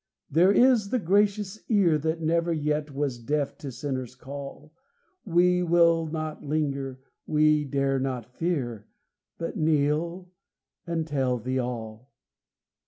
There is the gracious ear That never yet was deaf to sinner's call; We will not linger, and we dare not fear, But kneel, and tell Thee all.